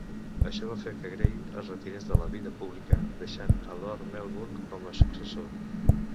Això va fer que Grey es retirés de la vida pública, deixant a Lord Melbourne com a successor.